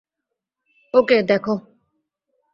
ওকে, দেখো।